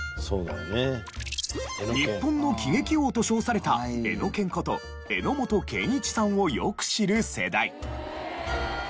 日本の喜劇王と称されたエノケンこと榎本健一さんをよく知る世代。